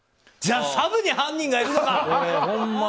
じゃあサブに犯人がいるのか！